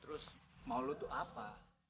terus mau lo itu apa